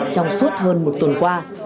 trong suốt hơn một tuần qua